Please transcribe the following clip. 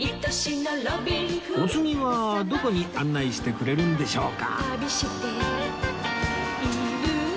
お次はどこに案内してくれるんでしょうか？